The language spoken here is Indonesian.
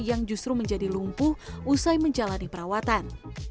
yang justru menjadi lumpuh usai menjalani perawatan